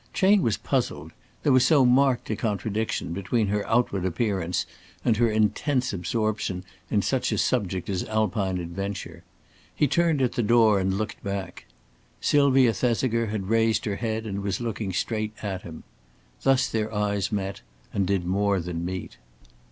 Chayne was puzzled there was so marked a contradiction between her outward appearance and her intense absorption in such a subject as Alpine adventure. He turned at the door and looked back. Sylvia Thesiger had raised her head and was looking straight at him. Thus their eyes met, and did more than meet.